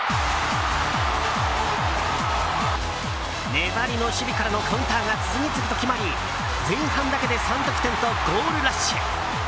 粘りの守備からのカウンターが次々と決まり前半だけで３得点とゴールラッシュ。